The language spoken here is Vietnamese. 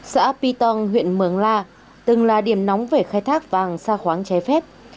xã apitong huyện mường la từng là điểm nóng về khai thác vàng sa khoáng chế phép